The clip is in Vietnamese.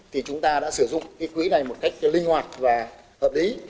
thì chúng ta đã sử dụng cái quỹ này một cách linh hoạt và hợp lý